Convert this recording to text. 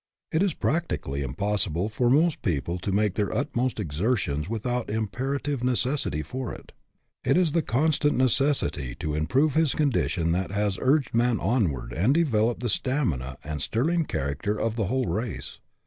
It is practically impossible for most people to make their utmost exertions with out imperative necessity for it. It is the con stant necessity to improve his condition that has urged man onward and developed the stamina and sterling character of the whole race.